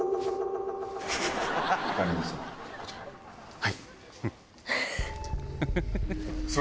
はい。